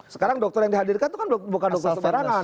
sekarang dokter yang dihadirkan bukan dokter seberangan